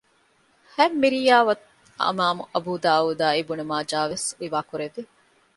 ހަތް ހ މިރިވާޔަތް އިމާމު އަބޫދާއޫދާއި އިބްނު މާޖާވެސް ރިވާކުރެއްވި